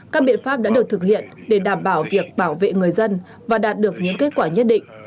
các biện pháp đã được thực hiện để đảm bảo việc bảo vệ người dân và đạt được những kết quả nhất định